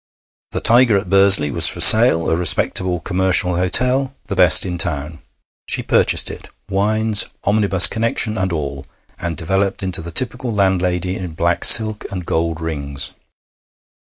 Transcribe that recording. The Tiger at Bursley was for sale, a respectable commercial hotel, the best in the town. She purchased it, wines, omnibus connection, and all, and developed into the typical landlady in black silk and gold rings.